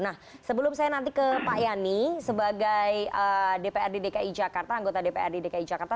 nah sebelum saya nanti ke pak yani sebagai dprd dki jakarta anggota dprd dki jakarta